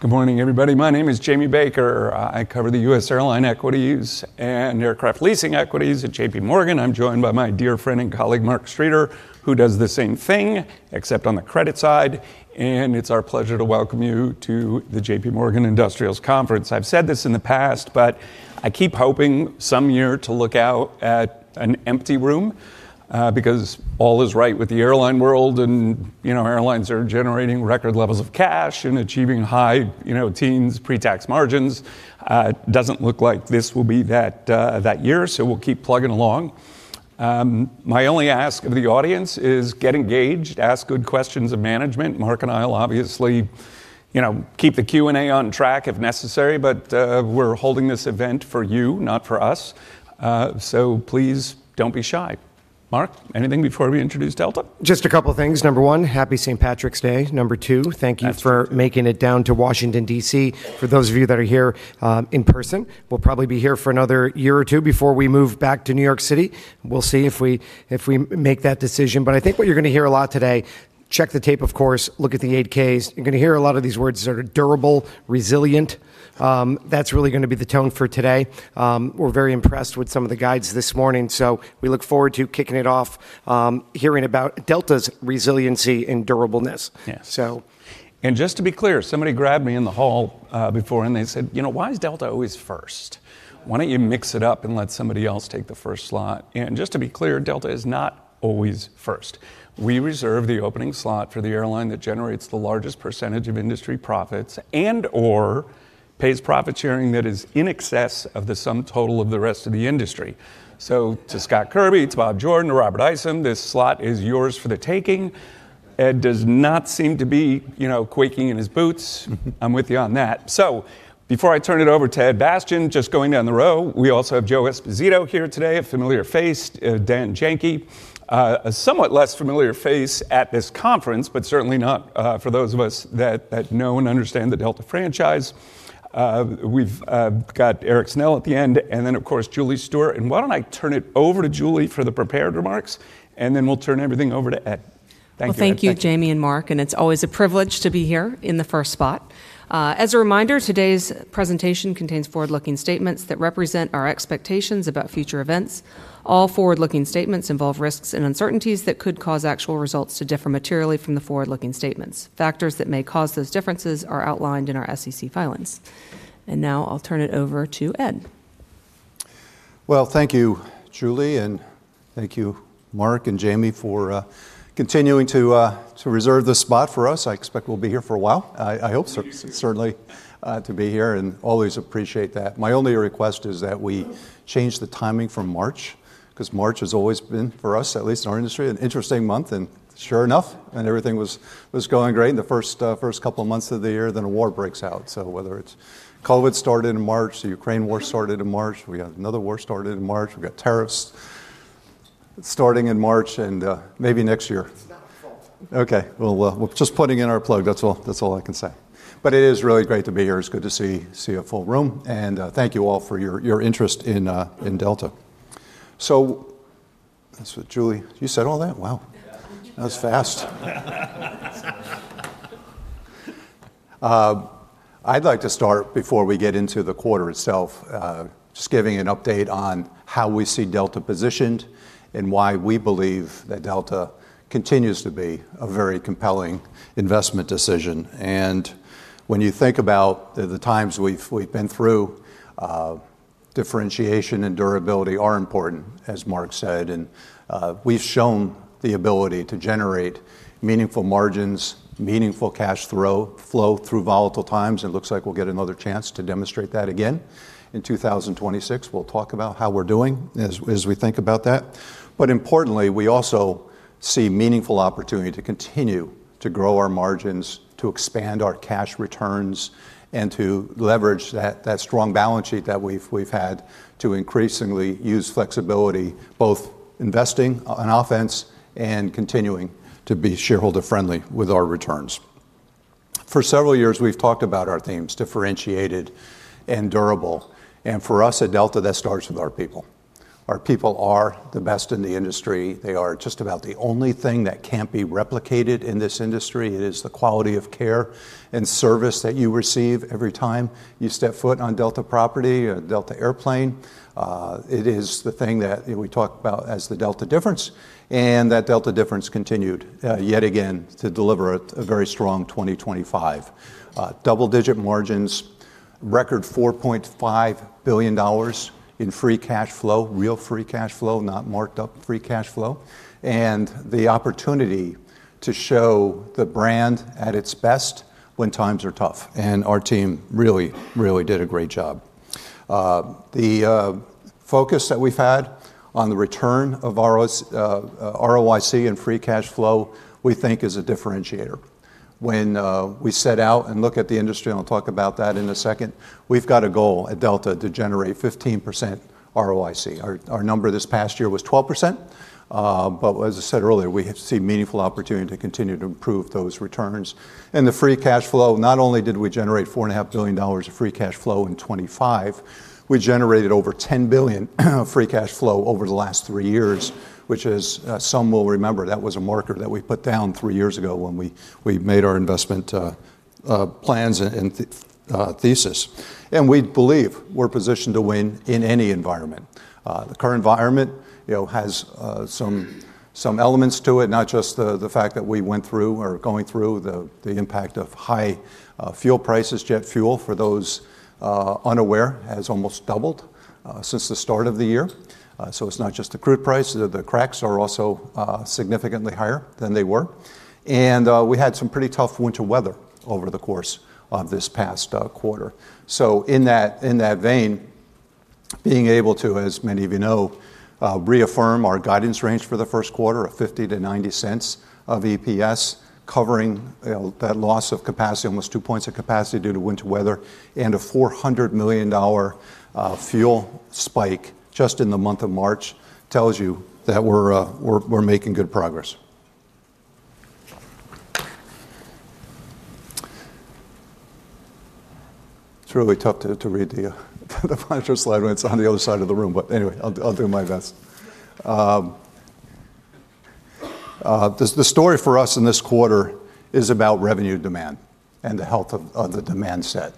Good morning everybody. My name is Jamie Baker. I cover the U.S. Airline Equities and Aircraft Leasing Equities at JPMorgan. I'm joined by my dear friend and colleague, Mark Streeter, who does the same thing except on the credit side. It's our pleasure to welcome you to the JPMorgan Industrials Conference. I've said this in the past, but I keep hoping some year to look out at an empty room, because all is right with the airline world and, you know, airlines are generating record levels of cash and achieving high, you know, teens pre-tax margins. It doesn't look like this will be that year, so we'll keep plugging along. My only ask of the audience is get engaged, ask good questions of management. Mark and I will obviously, you know, keep the Q&A on track if necessary, but, we're holding this event for you, not for us, so please don't be shy. Mark, anything before we introduce Delta? Just a couple things. Number one, Happy St. Patrick's Day. Number two, thank you. Absolutely For making it down to Washington, D.C. for those of you that are here in person. We'll probably be here for another year or two before we move back to New York City. We'll see if we make that decision. I think what you're going to hear a lot today, check the tape of course, look at the 8-Ks. You're going to hear a lot of these words that are durable, resilient. That's really going to be the tone for today. We're very impressed with some of the guides this morning, so we look forward to kicking it off, hearing about Delta's resiliency and durableness. Yes. So. Just to be clear, somebody grabbed me in the hall before and they said, "You know, why is Delta always first? Why don't you mix it up and let somebody else take the first slot?" Just to be clear, Delta is not always first. We reserve the opening slot for the airline that generates the largest percentage of industry profits and, or pays profit sharing that is in excess of the sum total of the rest of the industry. To Scott Kirby, to Bob Jordan, to Robert Isom, this slot is yours for the taking. Ed does not seem to be, you know, quaking in his boots. I'm with you on that. Before I turn it over to Ed Bastian, just going down the row, we also have Joe Esposito here today, a familiar face. Dan Janki, a somewhat less familiar face at this conference, but certainly not for those of us that know and understand the Delta franchise. We've got Erik Snell at the end, and then of course Julie Stewart. Why don't I turn it over to Julie for the prepared remarks, and then we'll turn everything over to Ed. Thank you. Well, thank you Jamie and Mark, and it's always a privilege to be here in the first spot. As a reminder, today's presentation contains forward-looking statements that represent our expectations about future events. All forward-looking statements involve risks and uncertainties that could cause actual results to differ materially from the forward-looking statements. Factors that may cause those differences are outlined in our SEC filings. Now I'll turn it over to Ed. Well, thank you Julie, and thank you Mark and Jamie for continuing to reserve this spot for us. I expect we'll be here for a while. I hope so. Certainly to be here and always appreciate that. My only request is that we change the timing from March, 'cause March has always been, for us at least in our industry, an interesting month, and sure enough, and everything was going great in the first couple months of the year, then a war breaks out. Whether it's COVID started in March, the Ukraine war started in March. We got another war started in March. We've got tariffs starting in March and, maybe next year. It's not our fault. Okay. Well, we're just putting in our plug, that's all I can say. It is really great to be here. It's good to see a full room and thank you all for your interest in Delta. You said all that? Wow. Yeah. That was fast. I'd like to start before we get into the quarter itself, just giving an update on how we see Delta positioned and why we believe that Delta continues to be a very compelling investment decision. When you think about the times we've been through, differentiation and durability are important, as Mark said. We've shown the ability to generate meaningful margins, meaningful cash flow through volatile times. It looks like we'll get another chance to demonstrate that again in 2026. We'll talk about how we're doing as we think about that. Importantly, we also see meaningful opportunity to continue to grow our margins, to expand our cash returns, and to leverage that strong balance sheet that we've had to increasingly use flexibility, both investing on offense and continuing to be shareholder friendly with our returns. For several years, we've talked about our themes, differentiated and durable, and for us at Delta, that starts with our people. Our people are the best in the industry. They are just about the only thing that can't be replicated in this industry. It is the quality of care and service that you receive every time you step foot on Delta property or a Delta airplane. It is the thing that we talk about as the Delta Difference, and that Delta Difference continued yet again to deliver a very strong 2025. Double-digit margins, record $4.5 billion in free cash flow, real free cash flow, not marked up free cash flow, and the opportunity to show the brand at its best when times are tough, and our team really did a great job. The focus that we've had on the return on ROS, ROIC and free cash flow, we think is a differentiator. When we set out and look at the industry, and I'll talk about that in a second, we've got a goal at Delta to generate 15% ROIC. Our number this past year was 12%, as I said earlier, we see meaningful opportunity to continue to improve those returns. The free cash flow, not only did we generate $4.5 billion of free cash flow in 2025, we generated over $10 billion free cash flow over the last three years, which, as some will remember, that was a marker that we put down three years ago when we made our investment decision, plans and thesis. We believe we're positioned to win in any environment. The current environment, you know, has some elements to it, not just the fact that we went through or are going through the impact of high fuel prices. Jet fuel, for those unaware, has almost doubled since the start of the year. So it's not just the crude price. The cracks are also significantly higher than they were. We had some pretty tough winter weather over the course of this past quarter. In that vein, being able to, as many of you know, reaffirm our guidance range for the first quarter of $0.50-$0.90 EPS covering, you know, that loss of capacity, almost two points of capacity due to winter weather and a $400 million fuel spike just in the month of March tells you that we're making good progress. It's really tough to read the financial slide when it's on the other side of the room, but anyway, I'll do my best. The story for us in this quarter is about revenue demand and the health of the demand set.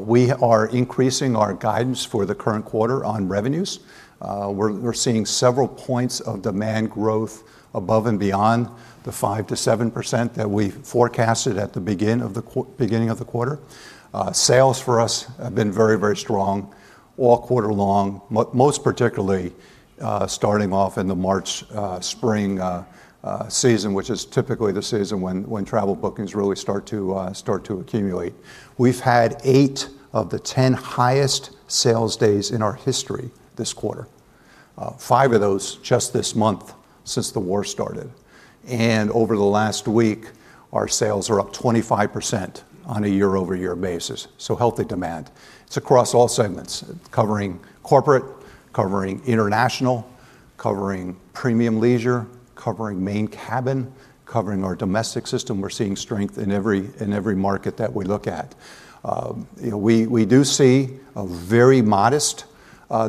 We are increasing our guidance for the current quarter on revenues. We're seeing several points of demand growth above and beyond the 5%-7% that we forecasted at the beginning of the quarter. Sales for us have been very strong all quarter long, most particularly starting off in the March spring season, which is typically the season when travel bookings really start to accumulate. We've had 8 of the 10 highest sales days in our history this quarter. Five of those just this month since the war started. Over the last week, our sales are up 25% on a year-over-year basis, so healthy demand. It's across all segments, covering corporate, covering international, covering premium leisure, covering main cabin, covering our domestic system. We're seeing strength in every market that we look at. You know, we do see a very modest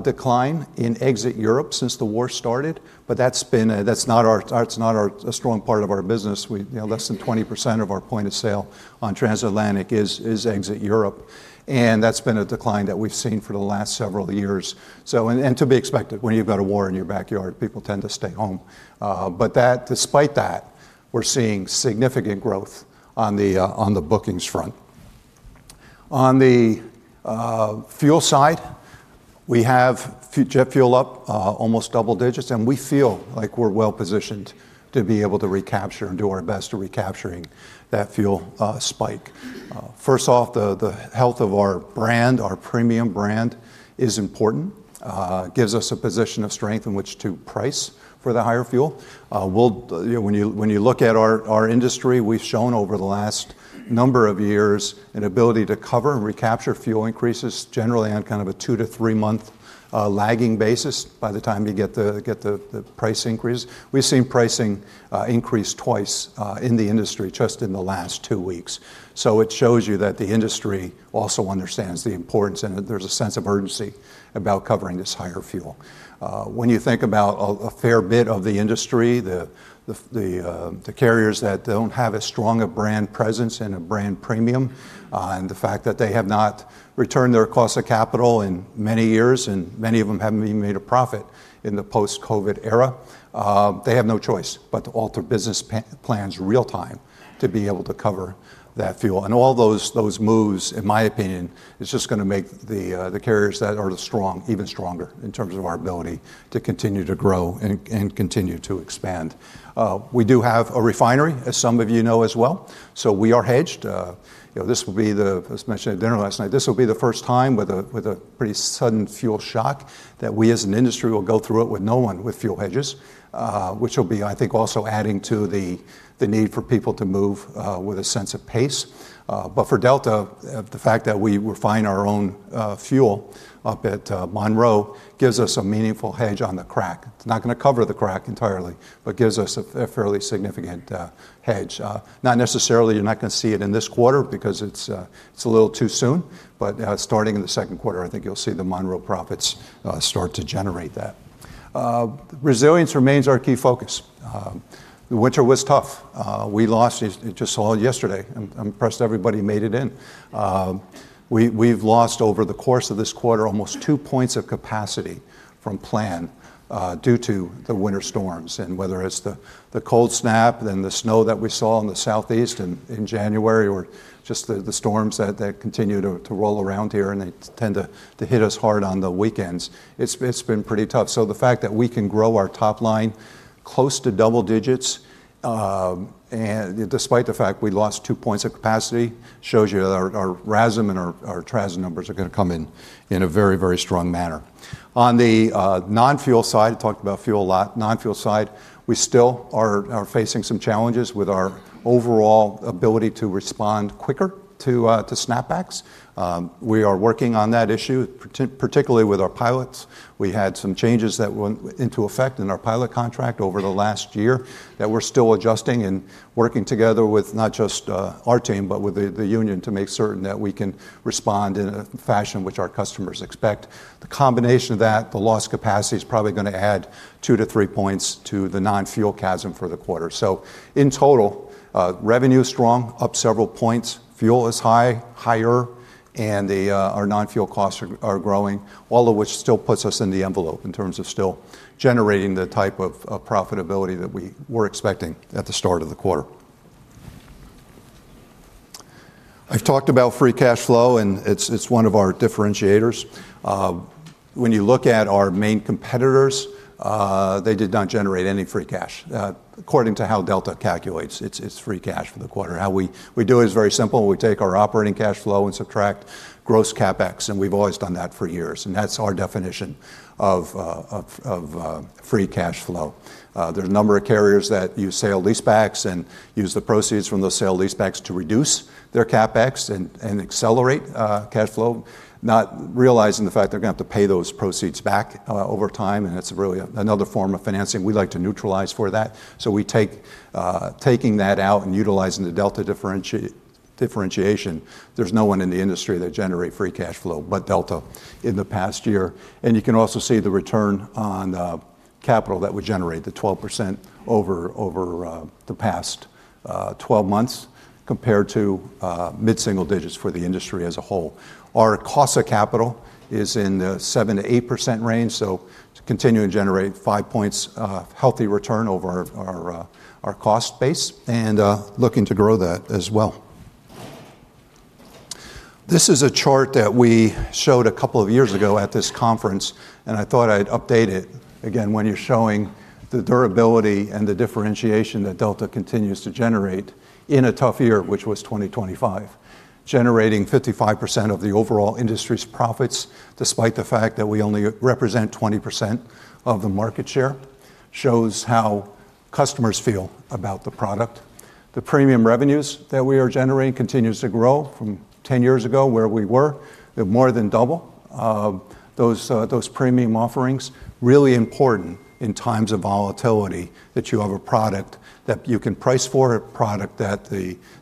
decline in ex-Europe since the war started, but that's not a strong part of our business. You know, less than 20% of our point of sale on transatlantic is ex-Europe. That's been a decline that we've seen for the last several years. To be expected, when you've got a war in your backyard, people tend to stay home. Despite that, we're seeing significant growth on the bookings front. On the fuel side, we have jet fuel up almost double digits, and we feel like we're well positioned to be able to recapture and do our best to recapturing that fuel spike. First off, the health of our brand, our premium brand, is important. Gives us a position of strength in which to price for the higher fuel. You know, when you look at our industry, we've shown over the last number of years an ability to cover and recapture fuel increases generally on kind of a two to three-month lagging basis by the time you get the price increase. We've seen pricing increase twice in the industry just in the last two weeks. It shows you that the industry also understands the importance and that there's a sense of urgency about covering this higher fuel. When you think about a fair bit of the industry, the carriers that don't have as strong a brand presence and a brand premium, and the fact that they have not returned their cost of capital in many years, and many of them haven't even made a profit in the post-COVID era, they have no choice but to alter business plans real time to be able to cover that fuel. All those moves, in my opinion, is just gonna make the carriers that are the strong even stronger in terms of our ability to continue to grow and continue to expand. We do have a refinery, as some of you know as well. We are hedged. You know, this will be the, as I mentioned at dinner last night, this will be the first time with a pretty sudden fuel shock that we as an industry will go through it with no one with fuel hedges, which will be, I think, also adding to the need for people to move with a sense of pace. For Delta, the fact that we refine our own fuel up at Monroe gives us a meaningful hedge on the crack. It's not gonna cover the crack entirely, but gives us a fairly significant hedge. Not necessarily, you're not gonna see it in this quarter because it's a little too soon. Starting in the second quarter, I think you'll see the Monroe profits start to generate that. Resilience remains our key focus. The winter was tough. We lost, as you just saw yesterday, I'm impressed everybody made it in. We've lost over the course of this quarter almost 2 points of capacity from plan due to the winter storms. Whether it's the cold snap and the snow that we saw in the southeast in January or just the storms that continue to roll around here, and they tend to hit us hard on the weekends, it's been pretty tough. The fact that we can grow our top line close to double digits and despite the fact we lost 2 points of capacity shows you that our RASM and our TRASM numbers are gonna come in in a very, very strong manner. On the non-fuel side, talked about fuel a lot, non-fuel side, we still are facing some challenges with our overall ability to respond quicker to snapbacks. We are working on that issue, particularly with our pilots. We had some changes that went into effect in our pilot contract over the last year that we're still adjusting and working together with not just our team, but with the union to make certain that we can respond in a fashion which our customers expect. The combination of that, the lost capacity, is probably gonna add two to three points to the non-fuel CASM for the quarter. In total, revenue is strong, up several points. Fuel is high, higher, and our non-fuel costs are growing, all of which still puts us in the envelope in terms of still generating the type of profitability that we were expecting at the start of the quarter. I've talked about free cash flow, and it's one of our differentiators. When you look at our main competitors, they did not generate any free cash according to how Delta calculates its free cash for the quarter. How we do it is very simple. We take our operating cash flow and subtract gross CapEx, and we've always done that for years, and that's our definition of free cash flow. There's a number of carriers that use sale-leasebacks and use the proceeds from those sale-leasebacks to reduce their CapEx and accelerate cash flow, not realizing the fact they're gonna have to pay those proceeds back over time, and that's really another form of financing. We like to neutralize for that. We take that out and utilizing the Delta Difference, there's no one in the industry that generate free cash flow but Delta in the past year. You can also see the return on capital that we generate, the 12% over the past 12 months compared to mid-single digits for the industry as a whole. Our cost of capital is in the 7%-8% range, so to continue to generate five points of healthy return over our cost base and looking to grow that as well. This is a chart that we showed a couple of years ago at this conference, and I thought I'd update it. Again, when you're showing the durability and the differentiation that Delta continues to generate in a tough year, which was 2025. Generating 55% of the overall industry's profits, despite the fact that we only represent 20% of the market share, shows how customers feel about the product. The premium revenues that we are generating continues to grow from 10 years ago where we were. They've more than doubled those premium offerings. Really important in times of volatility that you have a product that you can price for, a product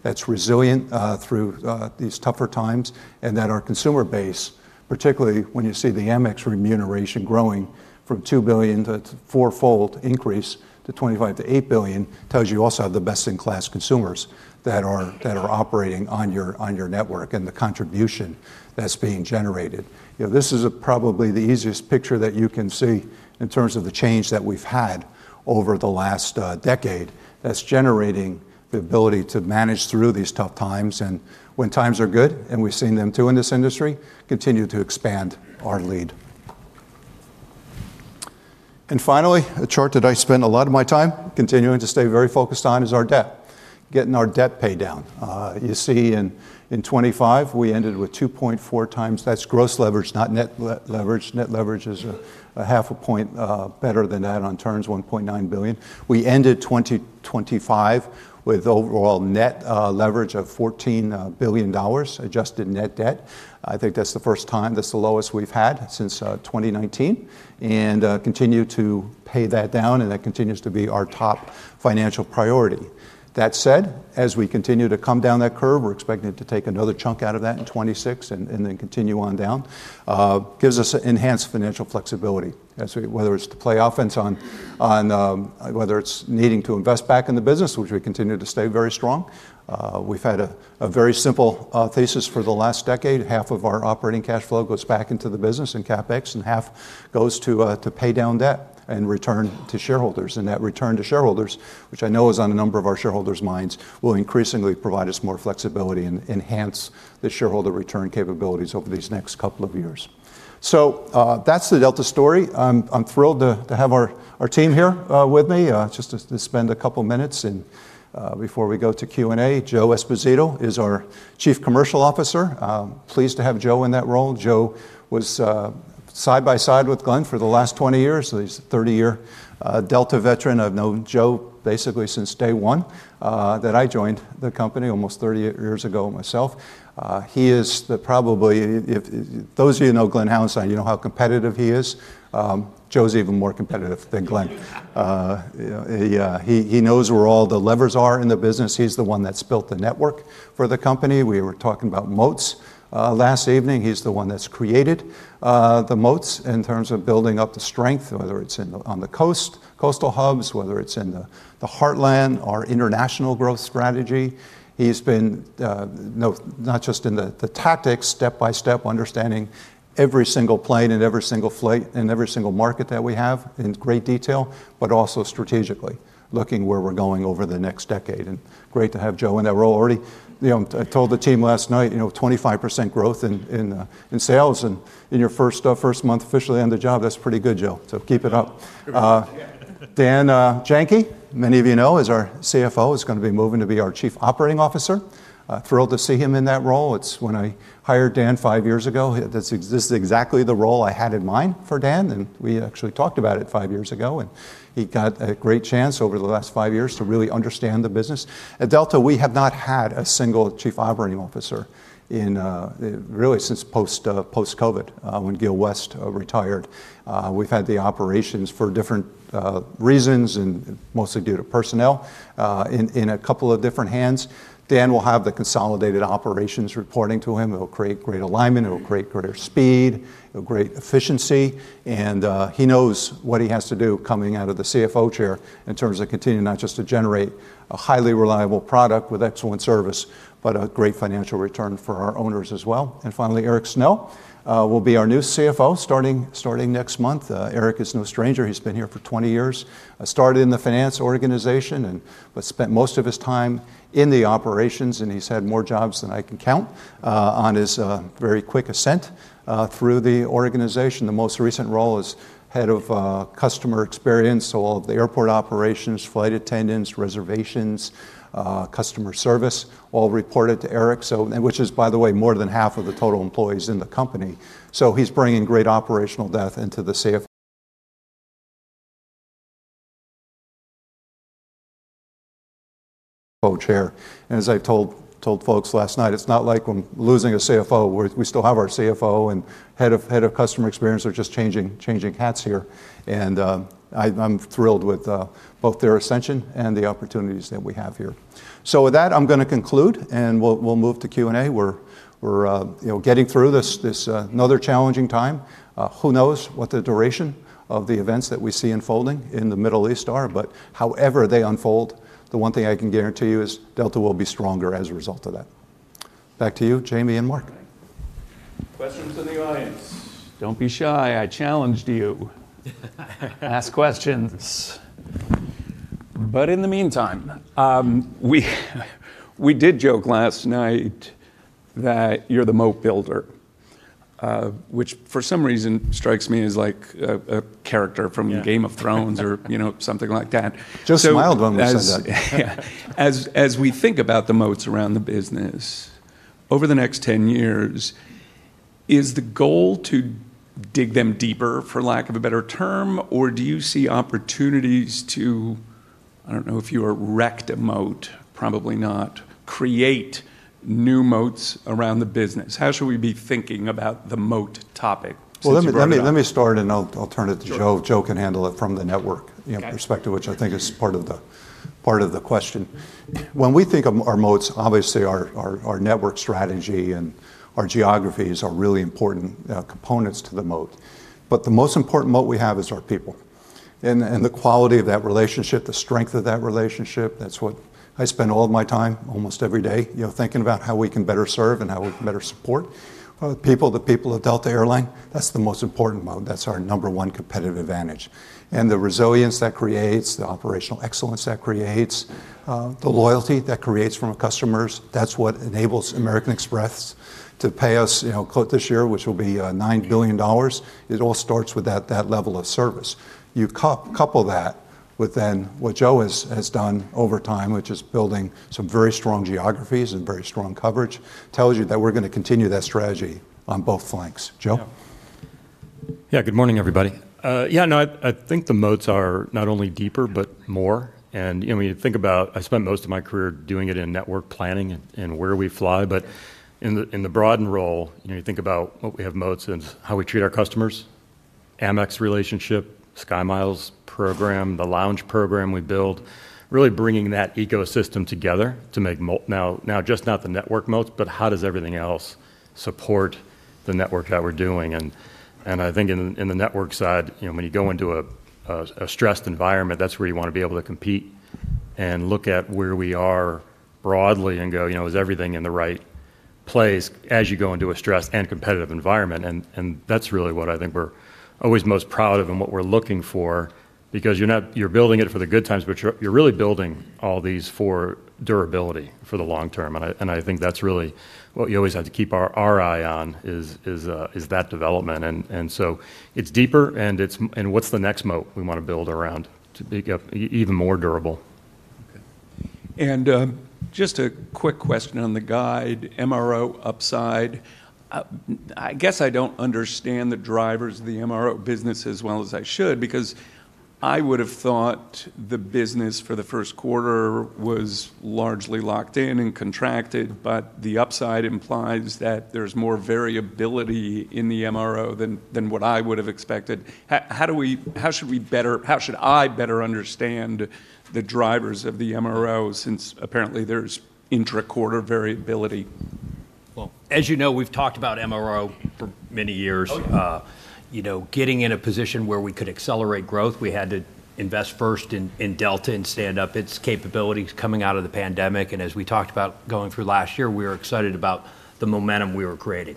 that's resilient through these tougher times, and that our consumer base, particularly when you see the Amex revenue growing from $2 billion, that fourfold increase to $8 billion, tells you also have the best-in-class consumers that are operating on your network and the contribution that's being generated. You know, this is probably the easiest picture that you can see in terms of the change that we've had over the last decade that's generating the ability to manage through these tough times. When times are good, and we've seen them too in this industry, continue to expand our lead. Finally, a chart that I spend a lot of my time continuing to stay very focused on is our debt, getting our debt paid down. You see in 2025, we ended with 2.4x. That's gross leverage, not net leverage. Net leverage is a 0.5 point better than that, 1.9x. We ended 2025 with overall net leverage of $14 billion, adjusted net debt. I think that's the first time. That's the lowest we've had since 2019. Continue to pay that down, and that continues to be our top financial priority. That said, as we continue to come down that curve, we're expecting it to take another chunk out of that in 2026 and then continue on down. Gives us enhanced financial flexibility as we whether it's to play offense on whether it's needing to invest back in the business, which we continue to stay very strong. We've had a very simple thesis for the last decade. Half of our operating cash flow goes back into the business in CapEx, and half goes to pay down debt and return to shareholders. That return to shareholders, which I know is on a number of our shareholders' minds, will increasingly provide us more flexibility and enhance the shareholder return capabilities over these next couple of years. That's the Delta story. I'm thrilled to have our team here with me just to spend a couple of minutes and before we go to Q&A. Joe Esposito is our Chief Commercial Officer. Pleased to have Joe in that role. Joe was side by side with Glenn for the last 20 years. He's a 30-year Delta veteran. I've known Joe basically since day one that I joined the company almost 30 years ago myself. He is probably. Those of you who know Glenn Hauenstein, you know how competitive he is. Joe's even more competitive than Glenn. You know, he knows where all the levers are in the business. He's the one that's built the network for the company. We were talking about moats last evening. He's the one that's created the moats in terms of building up the strength, whether it's in on the coast, coastal hubs, whether it's in the Heartland, our international growth strategy. He's been not just in the tactics, step-by-step understanding every single plane and every single flight and every single market that we have in great detail, but also strategically looking where we're going over the next decade. Great to have Joe in that role. Already, you know, I told the team last night, you know, 25% growth in sales and in your first month officially on the job. That's pretty good, Joe. Keep it up. Dan Janki, many of you know, is our CFO, is gonna be moving to be our Chief Operating Officer. Thrilled to see him in that role. When I hired Dan five years ago, this is exactly the role I had in mind for Dan, and we actually talked about it five years ago, and he got a great chance over the last five years to really understand the business. At Delta, we have not had a single Chief Operating Officer really since post-COVID when Gil West retired. We've had the operations for different reasons and mostly due to personnel in a couple of different hands. Dan will have the consolidated operations reporting to him. It'll create great alignment. It'll create greater speed. It'll create great efficiency. He knows what he has to do coming out of the CFO chair in terms of continuing not just to generate a highly reliable product with excellent service, but a great financial return for our owners as well. Finally, Erik Snell will be our new CFO starting next month. Erik is no stranger. He's been here for 20 years. Started in the finance organization and but spent most of his time in the operations, and he's had more jobs than I can count on his very quick ascent through the organization. The most recent role is Head of Customer Experience. All of the airport operations, flight attendants, reservations, customer service all reported to Erik. Which is, by the way, more than half of the total employees in the company. He’s bringing great operational depth into the CFO. Co-chair. As I told folks last night, it's not like when losing a CFO. We're still have our CFO and head of customer experience. They're just changing hats here. I'm thrilled with both their ascension and the opportunities that we have here. With that, I'm gonna conclude, and we'll move to Q&A. We're you know getting through this another challenging time. Who knows what the duration of the events that we see unfolding in the Middle East are? However they unfold, the one thing I can guarantee you is Delta will be stronger as a result of that. Back to you, Jamie and Mark. Questions from the audience. Don't be shy. I challenged you. Ask questions. In the meantime, we did joke last night that you're the moat builder, which for some reason strikes me as like a character from. Yeah Game of Thrones or, you know, something like that. Just smiled when you said that. Yeah. As we think about the moats around the business over the next 10 years, is the goal to dig them deeper, for lack of a better term? Or do you see opportunities to, I don't know if you erect a moat, probably not, create new moats around the business? How should we be thinking about the moat topic since you brought it up? Well, let me start and I'll turn it to Joe. Sure. Joe can handle it from the network. Okay You know, perspective, which I think is part of the question. When we think of our moats, obviously our network strategy and our geographies are really important components to the moat. The most important moat we have is our people and the quality of that relationship, the strength of that relationship. That's what I spend all of my time almost every day, you know, thinking about how we can better serve and how we can better support the people of Delta Air Lines. That's the most important moat. That's our number one competitive advantage. The resilience that creates, the operational excellence that creates, the loyalty that creates from our customers, that's what enables American Express to pay us, you know, quote this year, which will be $9 billion. It all starts with that level of service. You couple that with what Joe has done over time, which is building some very strong geographies and very strong coverage, tells you that we're gonna continue that strategy on both flanks. Joe? Yeah. Good morning, everybody. Yeah, no, I think the moats are not only deeper, but more. You know, when you think about, I spent most of my career doing it in network planning and where we fly. In the broadened role, you know, you think about what we have moats and how we treat our customers, Amex relationship, SkyMiles program, the lounge program we build, really bringing that ecosystem together to make moats now just not the network moats, but how does everything else support the network that we're doing? I think in the network side, you know, when you go into a stressed environment, that's where you wanna be able to compete and look at where we are broadly and go, you know, "Is everything in the right place?" as you go into a stressed and competitive environment. That's really what I think we're always most proud of and what we're looking for because you're building it for the good times, but you're really building all these for durability for the long term. I think that's really what you always have to keep our eye on is that development. It's deeper and what's the next moat we wanna build around to be even more durable. Okay. Just a quick question on the guide MRO upside. I guess I don't understand the drivers of the MRO business as well as I should because I would have thought the business for the first quarter was largely locked in and contracted. The upside implies that there's more variability in the MRO than what I would have expected. How should I better understand the drivers of the MRO since apparently there's intra-quarter variability? Well, as you know, we've talked about MRO for many years. Oh yeah. You know, getting in a position where we could accelerate growth, we had to invest first in Delta and stand up its capabilities coming out of the pandemic. As we talked about going through last year, we were excited about the momentum we were creating.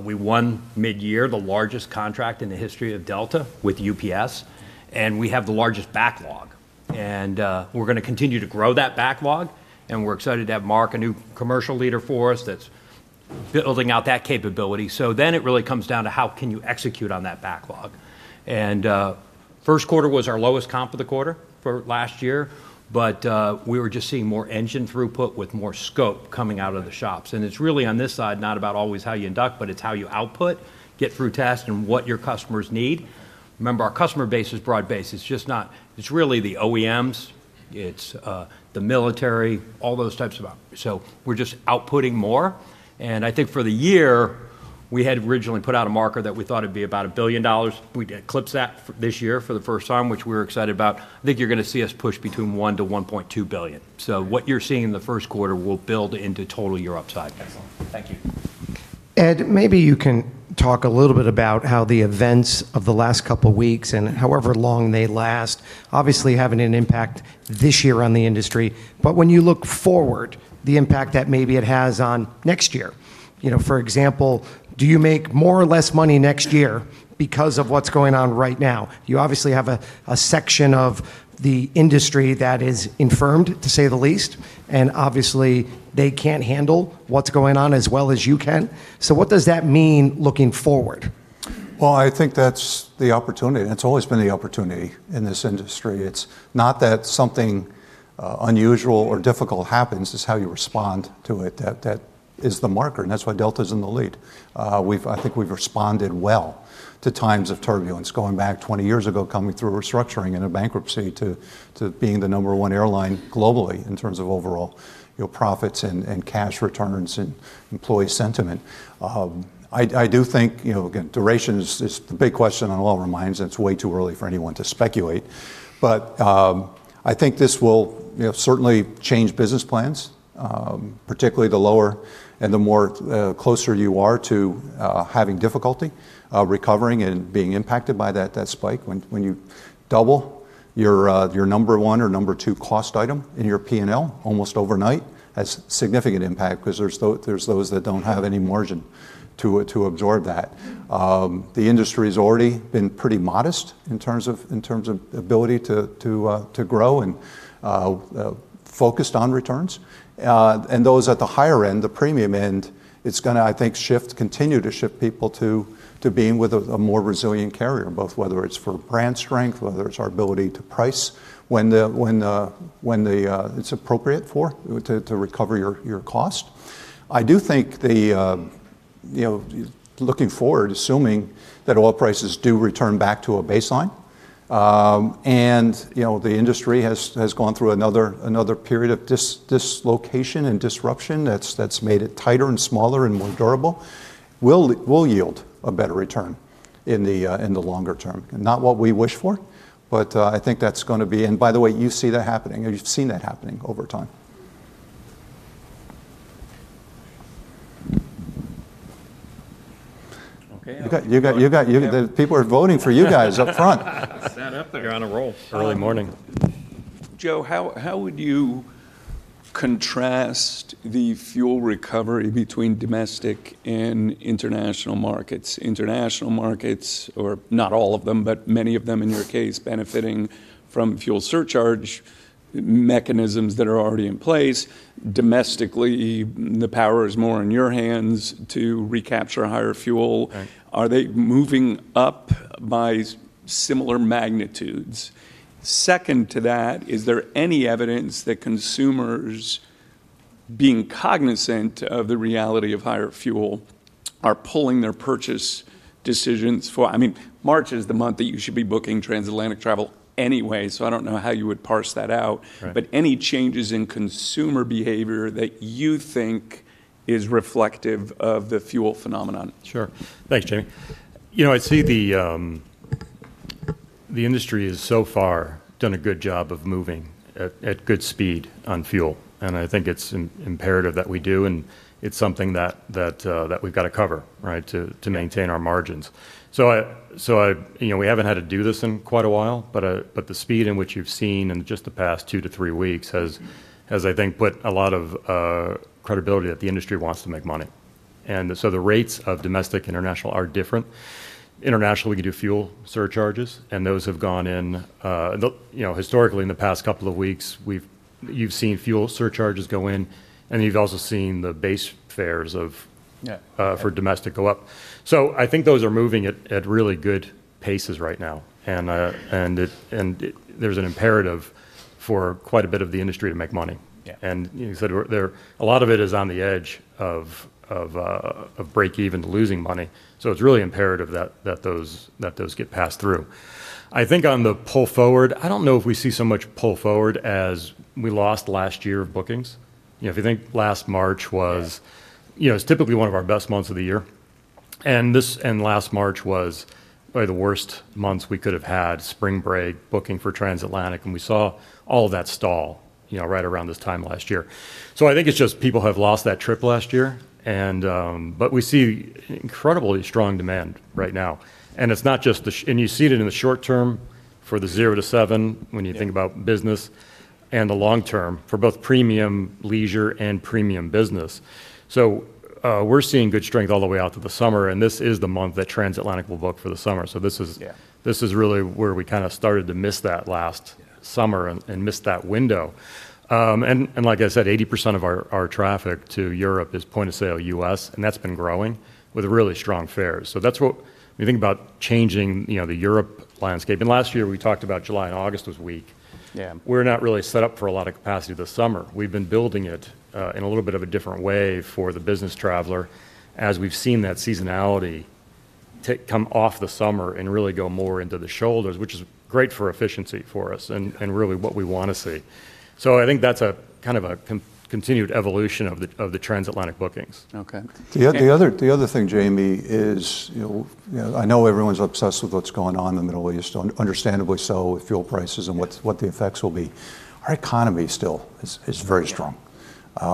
We won midyear the largest contract in the history of Delta with UPS, and we have the largest backlog. We're gonna continue to grow that backlog, and we're excited to have Mark, a new commercial leader for us, that's building out that capability. It really comes down to how can you execute on that backlog. First quarter was our lowest comp of the quarter for last year, but we were just seeing more engine throughput with more scope coming out of the shops. It's really on this side, not about always how you induct, but it's how you output, get through tasks, and what your customers need. Remember, our customer base is broad-based. It's really the OEMs, the military, all those types of ops. We're just outputting more. I think for the year, we had originally put out a marker that we thought it'd be about $1 billion. We eclipsed that this year for the first time, which we're excited about. I think you're gonna see us push between $1-$1.2 billion. What you're seeing in the first quarter will build into total year upside. Excellent. Thank you. Ed, maybe you can talk a little bit about how the events of the last couple weeks and however long they last obviously having an impact this year on the industry, but when you look forward, the impact that maybe it has on next year. You know, for example, do you make more or less money next year because of what's going on right now? You obviously have a section of the industry that is impaired, to say the least, and obviously they can't handle what's going on as well as you can. What does that mean looking forward? Well, I think that's the opportunity, and it's always been the opportunity in this industry. It's not that something unusual or difficult happens, it's how you respond to it that. It's the marker, and that's why Delta's in the lead. I think we've responded well to times of turbulence going back 20 years ago, coming through a restructuring and a bankruptcy to being the number one airline globally in terms of overall, you know, profits and cash returns and employee sentiment. I do think, you know, again, duration is the big question on all our minds, and it's way too early for anyone to speculate. I think this will, you know, certainly change business plans, particularly the lower and the more closer you are to having difficulty recovering and being impacted by that spike. When you double your number one or number two cost item in your P&L almost overnight, that's a significant impact because there's those that don't have any margin to absorb that. The industry's already been pretty modest in terms of ability to grow and focused on returns. And those at the higher end, the premium end, it's gonna, I think, continue to shift people to being with a more resilient carrier, both whether it's for brand strength, whether it's our ability to price when it's appropriate to recover your cost. I do think, you know, looking forward, assuming that oil prices do return back to a baseline, and, you know, the industry has gone through another period of dislocation and disruption that's made it tighter and smaller and more durable, will yield a better return in the longer term. Not what we wish for, but I think that's gonna be. By the way, you see that happening, or you've seen that happening over time. Okay. You got. The people are voting for you guys up front. Sat up there. You're on a roll. Early morning. Joe, how would you contrast the fuel recovery between domestic and international markets? International markets, or not all of them, but many of them in your case benefiting from fuel surcharge mechanisms that are already in place. Domestically, the power is more in your hands to recapture higher fuel. Right. Are they moving up by similar magnitudes? Second to that, is there any evidence that consumers being cognizant of the reality of higher fuel are pulling their purchase decisions for, I mean, March is the month that you should be booking transatlantic travel anyway, so I don't know how you would parse that out. Right. Any changes in consumer behavior that you think is reflective of the fuel phenomenon? Sure. Thanks, Jamie. You know, I see the industry has so far done a good job of moving at good speed on fuel, and I think it's imperative that we do, and it's something that we've got to cover, right, to maintain our margins. I, you know, we haven't had to do this in quite a while, but the speed in which you've seen in just the past two to three weeks has I think put a lot of credibility that the industry wants to make money. The rates of domestic/international are different. International, we can do fuel surcharges, and those have gone in, you know, historically in the past couple of weeks, you've seen fuel surcharges go in, and you've also seen the base fares of. Yeah for domestic go up. I think those are moving at really good paces right now, and there's an imperative for quite a bit of the industry to make money. Yeah. You said there a lot of it is on the edge of breakeven to losing money, so it's really imperative that those get passed through. I think on the pull forward, I don't know if we see so much pull forward as we lost last year of bookings. You know, if you think last March was. Yeah You know, it's typically one of our best months of the year. Last March was probably the worst month we could have had, spring break, booking for transatlantic, and we saw all of that stall, you know, right around this time last year. I think it's just people have lost that trip last year and we see incredibly strong demand right now. You see it in the short term for the zero to seven when you think about business and the long term for both premium leisure and premium business. We're seeing good strength all the way out to the summer, and this is the month that transatlantic will book for the summer. Yeah This is really where we kind of started to miss that last summer and missed that window. Like I said, 80% of our traffic to Europe is point of sale U.S., and that's been growing with really strong fares. That's what. When you think about changing, you know, the Europe landscape, and last year we talked about July and August was weak. Yeah. We're not really set up for a lot of capacity this summer. We've been building it in a little bit of a different way for the business traveler as we've seen that seasonality come off the summer and really go more into the shoulders, which is great for efficiency for us and really what we want to see. I think that's a kind of a continued evolution of the transatlantic bookings. Okay. The other thing, Jamie, is, you know, I know everyone's obsessed with what's going on in the Middle East, understandably so with fuel prices and what the effects will be. Our economy still is very strong. You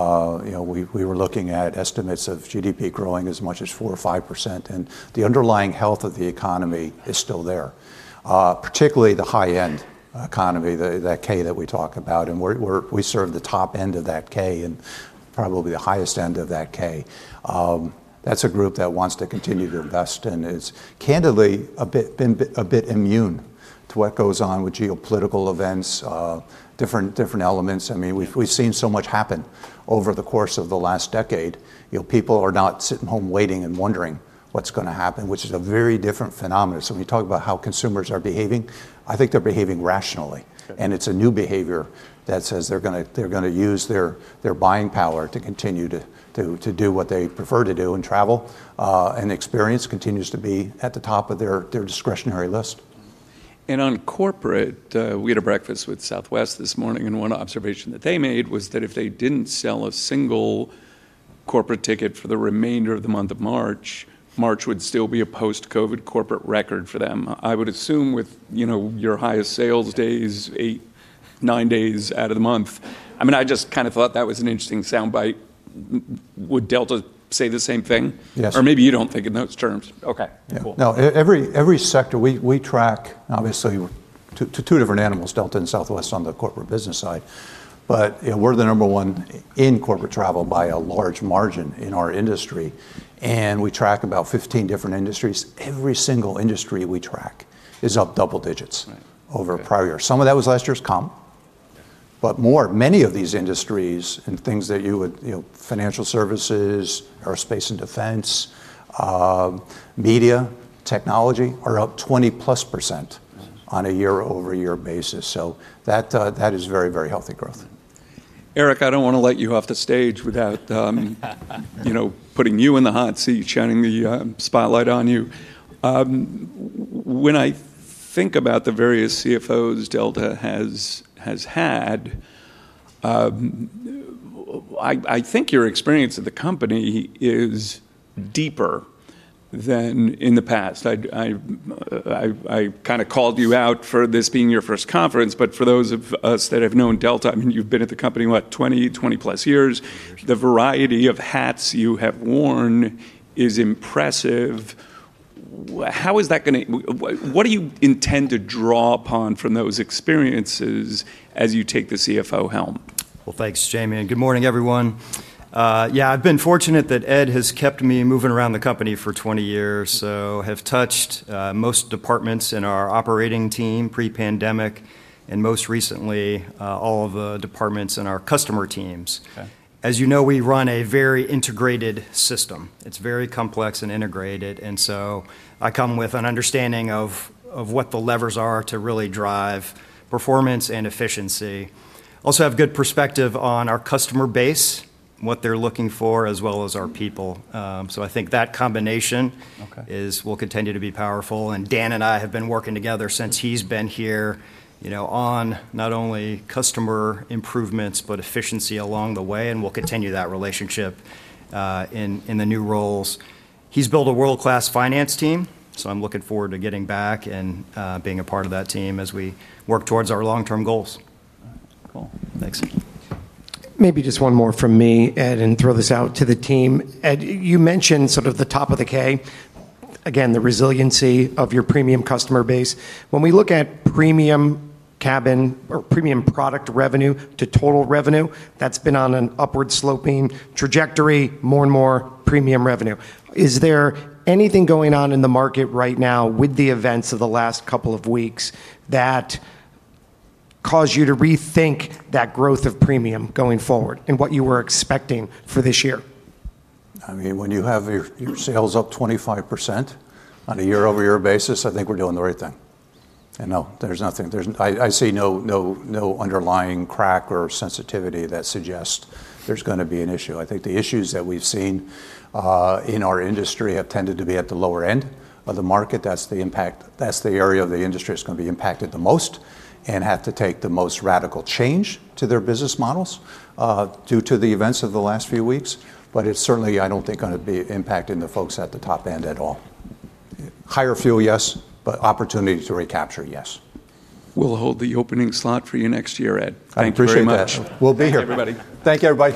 know, we were looking at estimates of GDP growing as much as 4%-5%, and the underlying health of the economy is still there. Particularly the high-end economy, that K that we talk about, and we serve the top end of that K and probably the highest end of that K. That's a group that wants to continue to invest and is candidly a bit immune to what goes on with geopolitical events, different elements. I mean, we've seen so much happen over the course of the last decade. You know, people are not sitting home waiting and wondering. What's gonna happen, which is a very different phenomenon. When you talk about how consumers are behaving, I think they're behaving rationally. Okay. It's a new behavior that says they're gonna use their buying power to continue to do what they prefer to do. Travel and experience continues to be at the top of their discretionary list. On corporate, we had a breakfast with Southwest this morning, and one observation that they made was that if they didn't sell a single corporate ticket for the remainder of the month of March would still be a post-COVID corporate record for them. I would assume with, you know, your highest sales days, eight, nine days out of the month, I mean, I just kind of thought that was an interesting soundbite. Would Delta say the same thing? Yes. Maybe you don't think in those terms. Okay. Cool. No, every sector we track, obviously two different animals, Delta and Southwest on the corporate business side, but you know, we're the number one in corporate travel by a large margin in our industry, and we track about 15 different industries. Every single industry we track is up double digits. Right. Okay over prior. Some of that was last year's comp, but more, many of these industries and things that you would, you know, financial services, aerospace and defense, media, technology, are up 20%+. Nice on a year-over-year basis. That is very, very healthy growth. Erik, I don't want to let you off the stage without you know, putting you in the hot seat, shining the spotlight on you. When I think about the various CFOs Delta has had, I kind of called you out for this being your first conference, but for those of us that have known Delta, I mean, you've been at the company, what, 20+ years? 20 years. The variety of hats you have worn is impressive. What do you intend to draw upon from those experiences as you take the CFO helm? Well, thanks, Jamie, and good morning, everyone. Yeah, I've been fortunate that Ed has kept me moving around the company for 20 years, so have touched most departments in our operating team pre-pandemic and most recently all of the departments in our customer teams. Okay. As you know, we run a very integrated system. It's very complex and integrated, and so I come with an understanding of what the levers are to really drive performance and efficiency. Also have good perspective on our customer base and what they're looking for, as well as our people. I think that combination. Okay is will continue to be powerful. Dan and I have been working together since he's been here, you know, on not only customer improvements, but efficiency along the way, and we'll continue that relationship in the new roles. He's built a world-class finance team. I'm looking forward to getting back and being a part of that team as we work towards our long-term goals. All right. Cool. Thanks. Maybe just one more from me, Ed, and throw this out to the team. Ed, you mentioned sort of the top of the 10-K, again, the resiliency of your premium customer base. When we look at premium cabin or premium product revenue to total revenue, that's been on an upward sloping trajectory, more and more premium revenue. Is there anything going on in the market right now with the events of the last couple of weeks that cause you to rethink that growth of premium going forward and what you were expecting for this year? I mean, when you have your sales up 25% on a year-over-year basis, I think we're doing the right thing. No, there's nothing. I see no underlying crack or sensitivity that suggests there's gonna be an issue. I think the issues that we've seen in our industry have tended to be at the lower end of the market. That's the impact. That's the area of the industry that's gonna be impacted the most and have to take the most radical change to their business models due to the events of the last few weeks, but it certainly, I don't think, gonna be impacting the folks at the top end at all. Higher fuel, yes, but opportunity to recapture, yes. We'll hold the opening slot for you next year, Ed. Thank you very much. I appreciate that. We'll be here. Thanks, everybody.